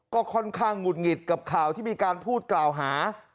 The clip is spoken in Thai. ก็ค่อนข้างหงุดหงิดกับข่าวที่มีการพูดกล่าวหา